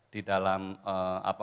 di dalam apa